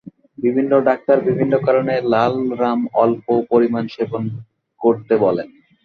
বিভিন্ন ডাক্তার বিভিন্ন কারণে লাল রাম অল্প পরিমান সেবন করতে বলেন।